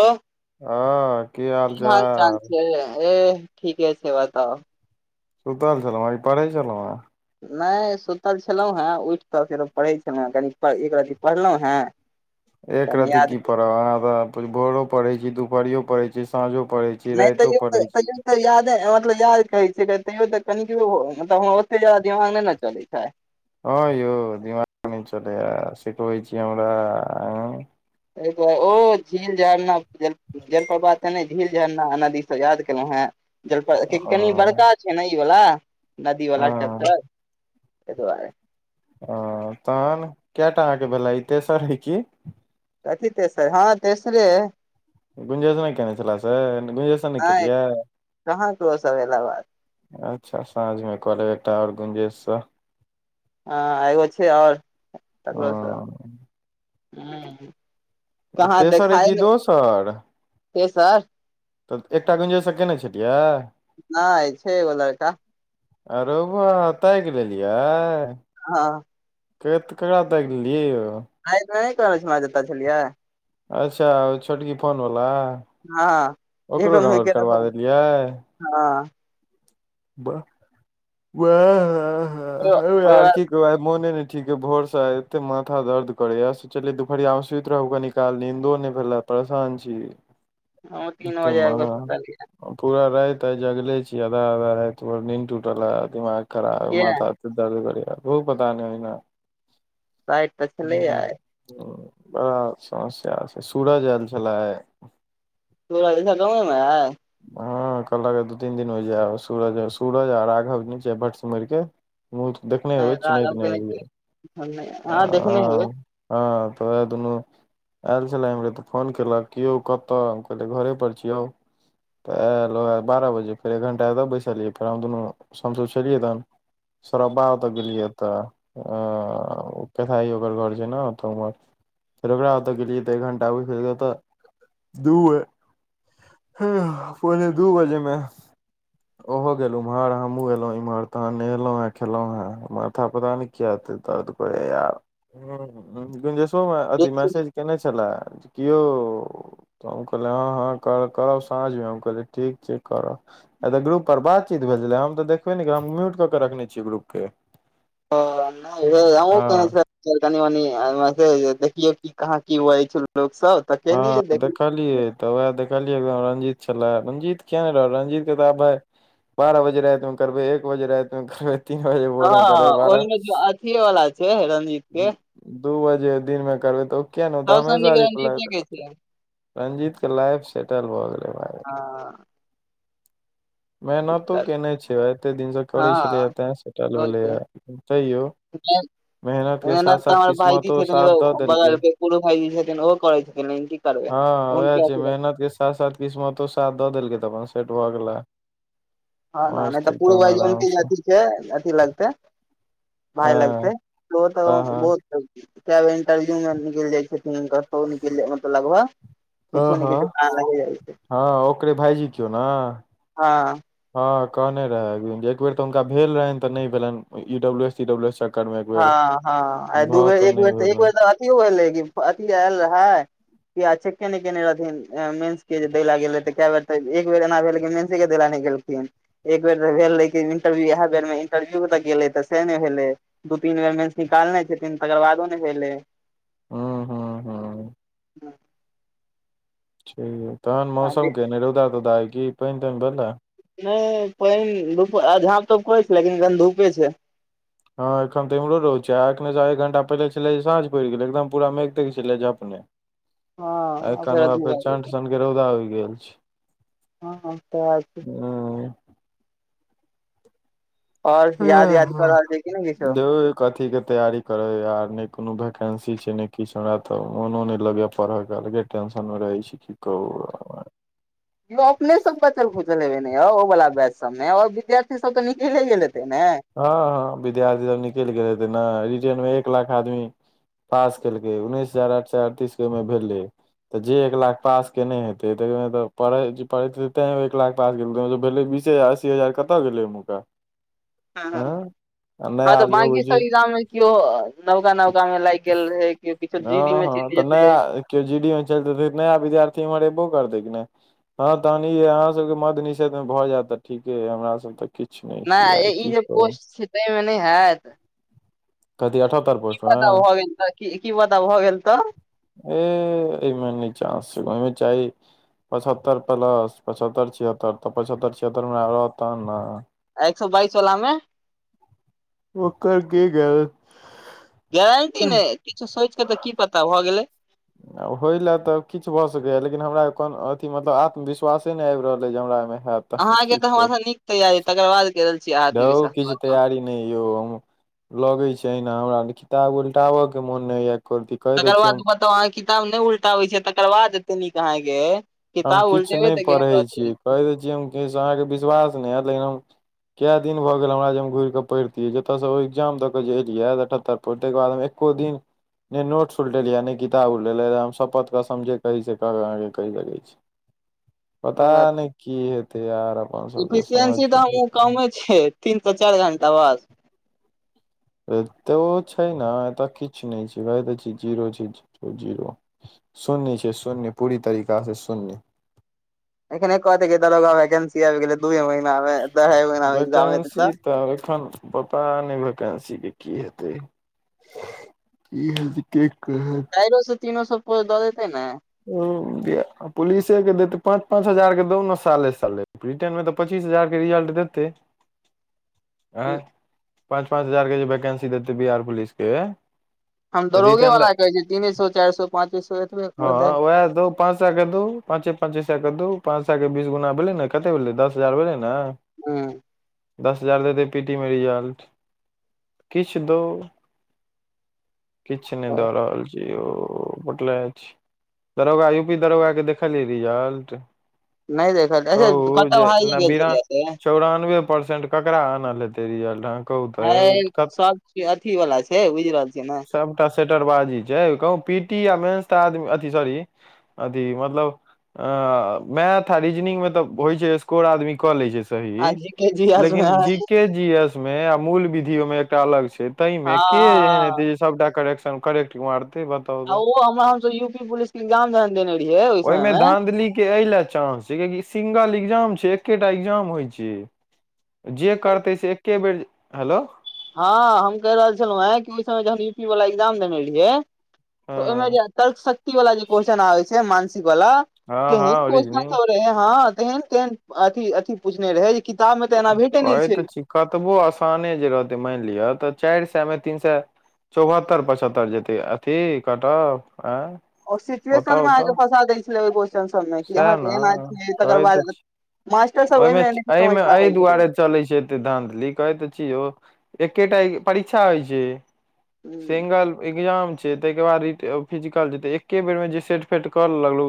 अ हँ की कि हाल हाल-चाल चाल छय, एह ठीके छै बताउ। सुतल छलहूं हेँ कि पैढ़ छलंहू हेँ नइ सुतल छलहुँ हेँऽ, उइठ कऽ फेरो पढ़ै छलहुँ हेँ कनी एक रति पढ़लहुँ हेँ। [inaudible] एक रती याद की पढ़ब अपन भोरो पढ़ें छी दुपहरियो पढ़ें छी साँझो पढ़ें छी। नइ राइतो तइयो तऽ पढ़ै छी तइयो याद, मतलब याद करै छिय तैयो तऽ कनिकबो मतलब ओते जादा दिमाग नइ ने चलै छय हँ यौ दिमाग नै चलइये, सिखबै छी हमरा हैँ। [unintelligible] ओऽ झील -झड़ना जल जलप्रवात तने झील झरना नदीसँ याद केलहु हें जलप्र कनि हँ बड़का छै ने ई वला नदीवला हँ चेप्टर तइ दुआरे। अं तहन कैटा अहाँ के भेला ई तेसर अइ की। कथी तेसर हँ तेसरे अइ गुंजेश नइ कयने छलै से गुंजेशन नइ हँ केलियै कहाँ ककरो सब एला बात अच्छा साँझ में करे एकटा आओर गुंजेश स आँ एगो छै आओर तकरो स हँ कहाँ तेसर अइ देखाए कि ने दोसर हे सर तऽ एकटा गुंजरसँ केने छलियै नइ छै एगो लड़का आरउबा ताइक लेलियै हँ के ककरा ताइक लेलियै यौ [unintelligible] कहने छलउ जतऽ छलियै अच्छा छोटकी फोनवला हँ ओकरो एगो मुइर के डाउनलोड देखू करबा देलियै हँ ब ह ह ह ओय यार बाद की आय मोने नय ठीक अय भोर स आइ एते माथा दर्द करय यै सोचलियै दुपहरिया में सुइत रहु कनिक काल निंदो नय भेलए परेसान छी हमहुँ तीन बजे आइब कऽ सुतलियै [unintelligible] पूरा रैत आय जगले छी आधा- आधा रैत मे नीन्द टूटल ए दिमाग खराब किया माथा। दरद करैया धू पता नै ओहिना राइत तऽ छलैये हूँ। आय आच्छा सेएह सूरज एल छेल्लाह आय। सूरज [unintelligible] गाँव में हे? हँ कहल ए दू तीन दिन में जेएब सूरज- सूरज आ राघव नै छै भटसिमर के? मुँह तऽ देखने हेबै चिन्हैत नै हैबै। हँ देखने हेबै हमहुँ हँ तऽ ओहे दुनू। एल छेल्ला एम्हरे तऽ फोन केलक कि यौ कतऽ हम कहलै घरे पर छी औ। तऽ एल बारह ओहे बारह बजे फेर एक घण्टा तऽ बैसलियै फेर हम दुनू हमसब छेलियै तहन। सौरबा ओतऽ गेलियै तऽ। हँ ओ केथाहि ओकर घर छै नऽ ओतऽ उम्हर। फेर ओकरा ओतऽ गेलियै तऽ एक घण्टा [unintelligible] ओतऽ दु बेर। हँ पोने दू बजे मे- ओहो गेल उम्हर हमहुँ एलौ इम्हर तहन नहेलों हेँ खेलो हें माथा पता नै। किया ऐते दर्द करैये हँ गंजेस। तो मे अथि मेसेज केने छेल्ला की यौ तऽ हम कहलियै हँ, हँ कह कह- साँज मे हम कहलियै ठीक छैय करऽ। आय तऽ ग्रुप पर बातचीत भेल छेल्ला हम तऽ देखबै नेै क हम म्यूट कऽ कऽ रखने छियै ग्रुपके- ओ नै भेल अहूँ तहन हँ से- कनि मनी [unintelligible] देखियौ की कहाँ की बजै छै लोग सब। तऽ हँ केलियै देख। देखलियै तऽ उएह देखलियै एकदम रंजीत छल्ला रंजीत किया नै रहत रंजीत के तऽ आब भाय। बारह बजे रैत मे उतरबै एक बजे रैत मे करबै। तीन बजे हँ भोर मे करबै बारह। ओहिमे जे अथिये वाला छै रंजीत के दू बजे दिन मे करबै तऽ किया नै ओता हमेशा रिप्लाई देत। किये। रंजीत के लाइफ सेटल भए गेलेै भाय। हँ। मेहनतो कएने छै भाय एते दिनसँ करै हँ छेलै तैं सेटल भेलैए तैयो। [unintelligible] के साथ मेहनत तऽ साथ हमर भाजी किस्मतो छथिन ए साथ दऽ देलकै बगल के पुरो भाजी छथिन ओहो करै छथिन लेकिन की- करबै हँ उएह हुनके छै अथी मेहनत के साथ साथ किस्मतो साथ दऽ देलकै तऽ अपन सेट भऽ गेला। हँ नै तऽ पूर भाय आराम [unintelligible] से अथि के अथि लगतेै। भाय लगतै हँ उहो हँ तऽ हँ बहुत। कए बेर इंटरव्यूमे निकैल जाय छै छथिन हूँनकर [unintelligible] निकल मतलब लगभग। किछो हँ निकैल जेतै [unintelligible] लगले रैह जेतै। हँ ओकरे भायजी कियो नऽ। हँ। हँ कहने रहैन जे एक बेर तऽ हुनका भेल रहैन तऽ नै भेलैन ई डब्लू एस। इ डब्लू एस चक्कर मे- हँ बेर हँ आ दू भऽ बेर के एक बेर नहि तऽ भेलै एक बेर तऽ अथियो भेलै कि अथि एल रहै? किये चेके नै केने रहथिन ए मेन्स के जे देैले गेल रहै तऽ कए बेर तऽ एक बेर एना भेल मेन। के देैलेए नै गेलखिन। एक बेर तऽ भेल रहेै कि इंटरव्यू इएह बेर मे इंटरव्यू तऽ गेलेै तऽ से नेै भेलेै। दू तीन बेर मेंस निकालने छथिन, तकर बादो ने भेलै। हू- हू- हू। ठीक, तहन मौसम नहि केहन अय, रोउदा -तोउदा अई की, पानी ताइन भेला? नहि पाईन धुप झाँप तोप करे छै, लेकिन अखन धूपे छै। हँ एखन तऽ इमरो रोद छै, अखने एक घंटा पहिले छले साँझ पड़ि गेल, एकदम पूरा मेघ -तेघ छलै झपने। एखन एन फेर चण्ठ सनक के रौदा उइग गेल छै। हँ-हँ, तऔर की। हँ। और याद- याद कर रहल छै कि ने किछो? कथीके तैयारी करैय यार, नहि कोनो वैकेन्सी छै, नहि किछु हमरा तऽ मोनो नहि लगैया पढ़ऽके, अलगे टेंशन मे रहै छी, की कहु। यो अपने सब बचल खुचल हेबेने यौ, ओ वाला बैच सबमे और विद्यार्थी सब त निकले गेल हेते ने। हँ- हँ, विद्यार्थी सब निकलि गेलै ते ने, रिटेर्नमे एक लाख आदमी पास केलकै, उन्नैस हजार अठ स अड़तीस के ओहिमे भेलै। तऽ जे एक लाख पास केने हेतै त, तऽ पढ़ पढ़े तें एक लाख पास गेल भेलै, बीसे हजार, अस्सी हजार कतऽ गेलै एमुरका। हँ- हँ। हँ नया तऽ जे अबै छै बंकीसब इग्जाम में केओ, नवका -नवका में लागि गेल रहे के किछो जे दिन मे टुट जेतै। के जीडी में चलते, नया विद्यार्थी एम्हार एबो करते ने। हँ, तहन अहाँ सबके मद्य निषेध में भऽ जायत तऽ ठीके अय, हमरा सब त किछु नहि छी, आाय ई की जे कहू पोस्ट छी, तै मे नहि हैत। कथी अठहतर प की पता भऽ गेल तऽ, क की पता भऽ गेल तऽ। ए, एहिमे नहि चस छै, ओहिमे चाहि पचहत्तर प्लस, पछहत्तर, छिहत्तर, तऽ पचछत्तर छिहत्तर हमरा रहत तखन ने। एक सौ बाइस वला मे। ओकर की गेरेन्ट गारंटी नहि, किछु सोच के तऽ, की पता भऽ गेलै। आ होइलए तऽ किछु भऽ सकैए, लेकिन हमरा कोनो अथी मतलब आत्मविश्वासे नहि आबि रहल अइ, जे हमरा एहिमे हयैत। अहाँके तऽ हमरास नीक तैयारी, तकर बाद कह रहल छी, आ धौ आत्मविश्वास, किछु बताउ। तैयारी नहि यौ, हम लगे छै ए ना, हमरा किताब उलटाबय के मन नहि होइया एको रती। तकर बाद इ बताउ, अहाँ किताब नहि उलटाबे छियै, तेकर बाद एते नीक अहाँके गेल। हम किछु नहि पढ़ै छीयै, कहि दै छियै हम कि, अहाँके विश्वास नहि हैत, लेकिन हम कए दिन भऽ गेल हमरा जे घुरि कऽ पढ़ितियै, जतय से ओ एग्जाम दऽ के जे एलियै, त अठहत्तर ओतकर बादमे एको दिन ने नोट् उलटेलिय या, ने किताब उलटेलियै य, हम सपत कसम जे, कही से के कहि सके छी। पता रहतै नहि की हेतै यार, अपन सबके समझ इफिसियंसी तऽ हमहूँ कमे छै तीन सँ, चार घण्टा बाद। एतयो तऽ छै ने, एतय किछु नहि छै, कटहै त छी, जीरो छी जीरो। शून्य छै, शून्य, पूरी तरीका से शून्य। एखने कथते की दरोगा मे वैकेंसी आबि गेलै, दूए महिनामे, अढाइये महिनामे एक्जाम हतै वैकेंसी तऽ। तऽ एखन पता नहि, वैकेन्सी के की हेतै। की हैते के कहत। चारइो सौ, तीनो सौऽ कोई द देतै ने। ओ पुलिसे के देत पाँच -पाँच हजार के दो ने साले- साले। ब्रिटेनमे तऽ पच्चीस हजारके रिजल्ट देतै। आँय पाँच- पाँच हजारके जे वैकेंसी देतै बिहार पुलिसके। हम तऽ दरोगे वला कहै छी तीने सो, चारि सए, पाँचे सो एतबे कऽ दे। बस तो। पाँंच सए के दो पाँचे -पाँचे सए के दो, पाँंच सए के बीस गुना भेलै ने, कते भेलै दस हजार भेलै ने। हं। दस हजार देते पी टी में रिजल्ट। किछु दो। किछु नहि दऽ रहल छी यो, बतले अछि। दरोगा यू पी दरोगा के देखलियै रिजल्ट। नहि देखलिये अच्छा कहू कट-अप जे हिइ न गेल बिना छलै से। चौरानबे परसेंट केकरा आनल हेतै रिज्लट हय सब चीज अथी वाला छै, बुझि रहल छियै ने। सबटा सेटर बाजी छै, कहू पीटी आ मेंस तऽ आदमी, अथी सॉरी। अथी मतलब अ मैथ आ रीजनिंग मे तऽ होइ छै स्कोर आदमी कऽ ले छै। आ सही। जी के जी एस मे लेकिन हँ जी के एस मे आ मूल विधि ओ मे एकटा अलग छै, तै मे हँ के एन हँ हेतै सबटा करेक्शन करेक्ट मारतै ब बताउ आ तऽ ओ हमरा हमसब यू पी पुलिस के एग्जाम जहन देने रहियै ओहि समय ओहिमे मे धाँधली के एहिले चानंस सिंगल एग्जाम छै, एकेटा एग्जाम होय छै, जे करते से के बेर हेलो हँ हम कहि रहल छलहुँ हेँ, कि ओहि समय जहन यू पी वाला एग्जाम देने रहियै, तऽ ओहिमे हँ जे तल शक्ति वाला जे क्वेश्चन आबै छै, मानसिक वाला हँ हँ केहन ओरिजनिंग क्वेश्चन रहे हँ तेहन- तेहेन अथि पूछने रहै किताब में तऽ एना भेटे नहि कहै छै। तऽ छी कतबो आसाने जे रहतै मानि लिअ, तऽ चारि सए मे तीन सए चौहत्तर पचहत्तर जते अथी कट-अफ आंय ओर सिचुएशन मे अहाँके के फंसा दै छलै, ओहि क्वेशस्चन सबमे सएह अहाँके ने एना छै, तकर कहै तऽ बाद छी मास्टर स ओहि समझ पैैबै छैलै चले छै एते धानदलि कहे तऽ छी यौ एकेटा परीक्षा होइ छै। हूँ सिंगल एग्जाम छै। तैएके बाद फिजिकल जेते, एके बेर मे जे सेट- फेट कऽ लगलो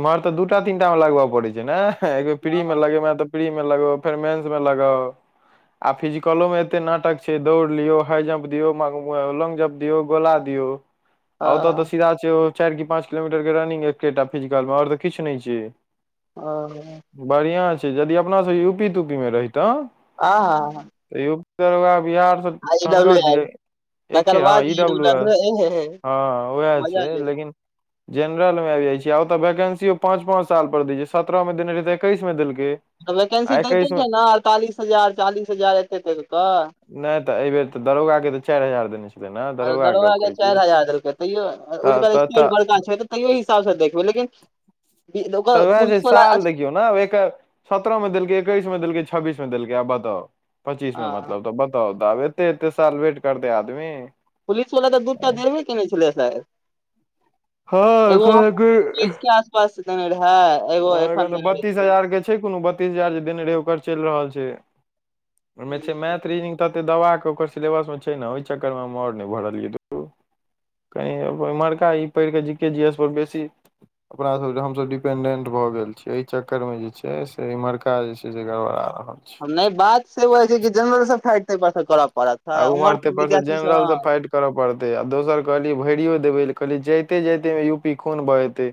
इम्हर तऽ दूटा तीन टा मे लगबय पड़े छै ने, एकबेर प्री में लगेमे तऽ प्री मे लगाउ, फेर मेन्स में लगाउ। आ फिजिकलो में एते नाटक छै, दौड़ लियो हाई जंप दियो मंग लौंग जम्प दियऔ, गोला दियऔ, आ ओतऽ हँ तऽ सीधा छै। चारि कि पाँच किलोमीटर के रनिंग एकेटा फिजिकल में ओर तऽ किु नहि छै। ह। बढ़िआँ छै, यदि अपना सब यू पी तूपी मे रहितहु। आहा- हा। तऽ यू पी बाला बिहारसँ। आइ डब्लू आएल। एके हँ इ डब्लू एस हँ उएह मजा छै ले लेकिन जेनरलमे आबि जाइ छियै, आ ओतऽ वैकेंसियो पाँच-पाँंच साल पर दै छै, सत्रह मे देने रहै तऽ एकैस मे देलकै। तऽ वैकेन्सी आ दैते एकैस मे छै न अड़तालीस हजार चालीस हजार एते-एते क कऽ। नहि तऽ एहि बेर तऽ दरोगा के त चारि हजार देने छै। आ दरोगा के चारि हजार देलकै तैयो तऽ ओयकर तऽ तऽ स्पीड बड़का छै त तैयो हिसाबसँ देखबै लेकिन ओकर पुलिस वला आछ कियो न एकर सत्रह मे देलकै, एकैस मे देलकै, छब्बीस में देलकै, आब बताउ। पच्चीस में हँ मतलब त बताउ तब एते-एते साल वेट करतैं आदमी। पुलिस बला त दूटा देबे कने छलै शायद हँ एगो हम पच्चीस के आस पास देने रहै एगो एखन देने रहे त लगै छै कोनो बत्तीस हजार जे देने रहे ओकर चल रहल छै, ओहि में रहै मैथ रिनिंग तते दवा क ओकर सिलेबस में छै न, ओहि चक्कर मे हम और नहि भरलियै धु कही इमहरका ई पढ़ि के जी के, जी एस पर बेसी अपना सब हमसब डी डिपेंडेंट भए गेल छियै, ए चक्कर में जे छै से इम्हरका जे छै से गड़बड़ा रहल छै। नहि बात से ओ होइ छै कि, जेनरलसँ फाइट ताहिपर करऽ पड़त उमहर के विद्यार्थी सब हँ करय पड़तै, आ दोसर कहली भैरियो देबै कहलियै जाइते जाइते मे यू पी खून बहेतै।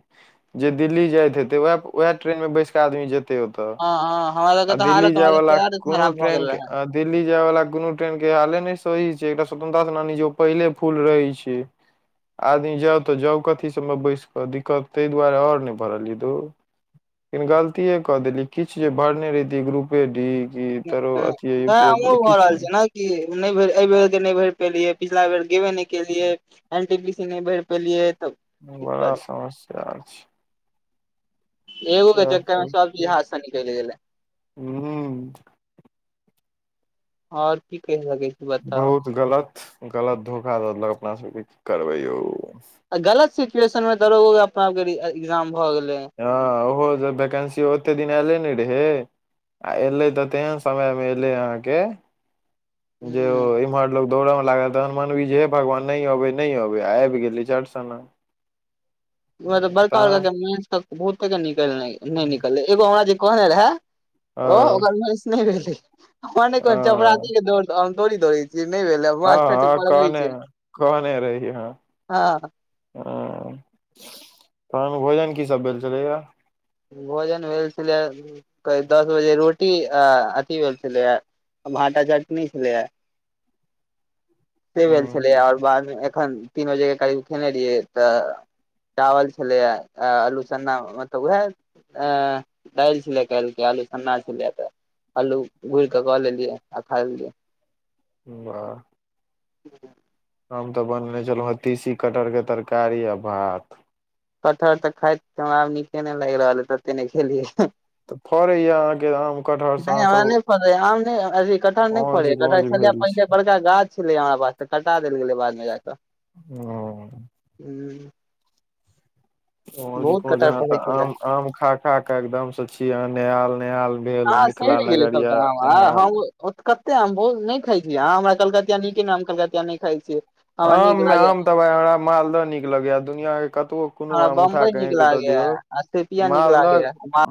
जे दिल्ली जाइत हेते वैह-वैह ट्रेनमे बैस क आदमी जे तै ओतऽ हँ हँ हँ हमरा सबके आ तऽ दिल्ली हालत जाय हमरा सबके वला हालत कोनो खराब भऽ ट्रेन गेल के, रहै अ दिल्ली जाय वला कोनो ट्रेन के हाले नहि सही छै, एकटा स्वतंत्रता सेनानी जे ओ पहिले फूल रहै छै। आदमी जाउ त जाउ कथी सबमे बैस क, दिक्कत ताहि दुआरे आओर नहि भरलियै धूं। लेकिन गलतीेए क देलियै किछ जे भरने रहितियै ग्रुप पे डी कि तरो अथी यू पी आइ पुलि किछ नहि ई नहि भरि, एहि बेर के नहि भरि पेलियै, पिछला बेर गेबे नहि केलियै। एल टी पी से नहि भरि पेलियै त बड़ा समस्या अछि। एगो के चक्कर मे सब चीज हाथ स निकैल गेलै। हूं हम्म आओर की कैह सकै बताउ बहुत गलत-गलत धोखा द देलक अपना सबके की करबै यौ। गलत सिचुएशन में दरोगो के अपना ओर के एग्जाम भए गेलै। हँ ओहो जे वैकेंसी ओते दिन एयले नहि रहें। आ एलै तऽ तेहन समय मे एलै अहाँके जे ओ इम्हर लोग दौड़ऽ मे लागल, तहन मनबी जे हे भगवान नहि अबै- नहि अबै आबि गेलै झट सना। उहैं त बड़का-बड़का कें तहन गनमान सब के बहुते के निकल नहि निकललै एगो हमरा जे कहने रहै ओ हँ ओकर मेन्स नहि भेलै, हमर नहि कहै हँ चपरासी के दौड़ थोड़ी दौड़य छियै, नहि भेलय हँ-हँ कहने-कहने रहि हँ। हँ हँ तहन भोजन की सब भेल छलै ग। भोजन भेल छलैए करीब दस बजे रोटी अ अथी भेल छलैए, भाटा चटनी छलैए। से भेल हूं छलैए आओर बादमे एखन तीन बजे के करीब खेने रहियै तऽ चावल छलैए, आलू सन्ना मतलब उहैं ऐं दालि छलै काल्हि के आलू सन्ना छलै तऽ आलू गुइड़ क कऽ लेलियै आ खा लेलियै। वाह [inaudible] हम तऽ बनने छलहुँ हँ, तीसी कटहरके तरकारी आ भात। कटहर तऽ खाइत आब नीके नै, लागि रहल हइ तते ने खेलियै। तऽ फड़ैया अहाँके आम कटहर से नै अहाँ हमरा सब नै फड़ै आम नै, अथि कटहर नै औज फरै या गौज कटहर छलै भेल छी पहिले बड़का गाछ छलै हमरा पास, तऽ कटा देल गेलै बादमे जााकऽ। ओ। हूं। ओ कि कटहर जहाँ त फड़ै छलै आम आम खा-खा के एकदम से छी, अहां नेहाल -नेहाल। भेल हँ मिथिला नगरिया नेहाल। ओ कते आम नै खाइ छी, अहाँ हमरा कलकतिया निके न हम कलकतिया नै खाइ छियै। हमरा आम नीक मे लागे आम तऽ भाई हमरा मालद निक लगैया, दुनियाँ के कतबो कोनो आम उठा अइन कऽ दऽ दियौ। सिपिया निक लागैया हाँ। मालदह